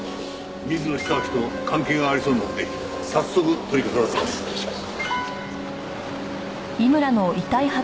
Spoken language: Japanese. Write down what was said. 水野久明と関係がありそうなので早速取りかからせます。